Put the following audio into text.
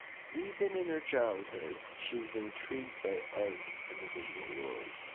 Even in her childhood, she was intrigued by art and the visual world.